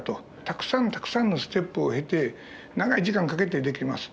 たくさんたくさんのステップを経て長い時間をかけて出来ます。